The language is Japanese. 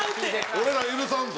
俺ら許さんぞ！